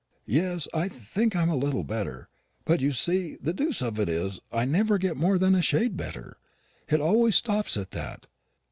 "Yes, I think I am a shade better. But, you see, the deuce of it is I never get more than a shade better. It always stops at that.